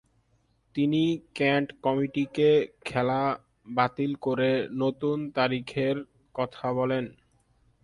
তিনি কেন্ট কমিটিকে খেলা বাতিল করে নতুন তারিখের কথা বলেন।